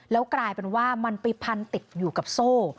แล้วกลายเป็นว่ามันไปพันติดอยู่กับโซ่